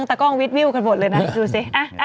ตากล้อว์กันหมดเลยนะดูสิ